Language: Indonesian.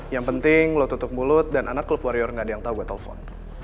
yang penting lo tutup mulut dan anak culve warrior nggak ada yang tahu gue telepon